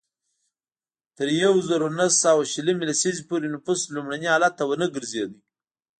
تر یوه زرو نهه سوه شلمې لسیزې پورې نفوس لومړني حالت ته ونه ګرځېد.